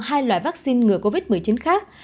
hai loại vaccine ngừa covid một mươi chín khác